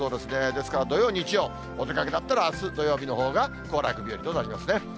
ですから土曜、日曜、お出かけだったらあす土曜日のほうが、行楽日和となりますね。